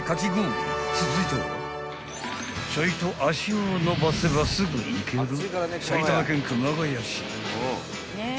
［続いてはちょいと足を延ばせばすぐ行ける］